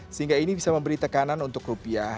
sehingga ini bisa memberi tekanan untuk rupiah